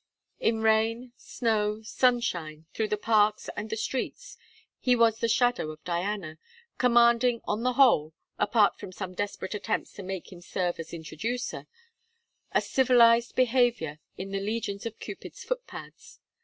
In rain, snow, sunshine, through the parks and the streets, he was the shadow of Diana, commanding, on the whole, apart from some desperate attempts to make him serve as introducer, a civilized behaviour in the legions of Cupid's footpads.